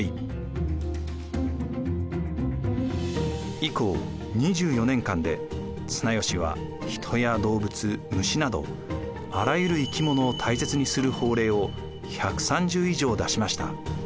以降２４年間で綱吉は人や動物虫などあらゆる生き物を大切にする法令を１３０以上出しました。